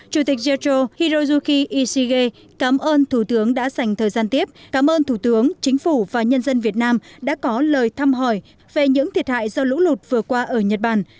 chủ tịch jetro hirozuki ishige cảm ơn thủ tướng đã dành thời gian tiếp cảm ơn thủ tướng chính phủ và nhân dân việt nam đã có lời thăm hỏi về những thiệt hại do lũ lụt vừa qua ở nhật bản